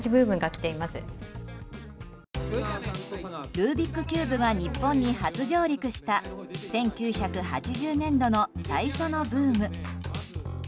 ルービックキューブが日本に初上陸した１９８０年度の最初のブーム。